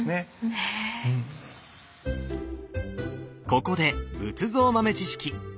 ここで仏像豆知識。